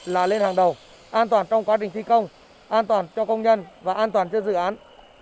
là lên hàng đầu an toàn trong quá trình thi công an toàn cho công nhân và an toàn cho dự án